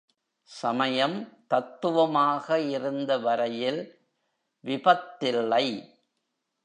சமயம், தத்துவமாக இருந்தவரையில் விபத்தில்லை.